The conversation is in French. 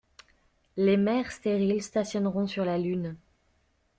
Les maires stériles stationneront sur la Lune.